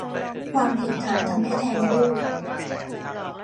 ความผิดฐานทำให้แท้งลูก